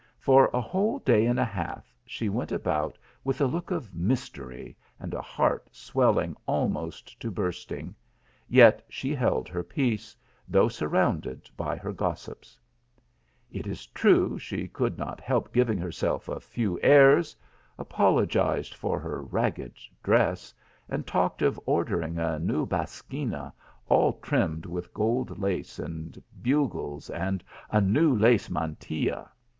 For a whole day and a half she went about with a look of mys tery and a heart swelling almost to bursting, yet she held her peace, though surrounded by her gossips. 170 THE ALHAMEEA. It is true she could not help giving herself a few airs, apologized for her ragged dress, and talked of ordering a new basquina all trimmed with gold lace and bugles, and a new lace mantilla.